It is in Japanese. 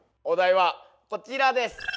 お題はこちらです。